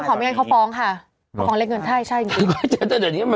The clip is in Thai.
ใช้ต้องขอไม่งั้นเขาฟ้องค่ะ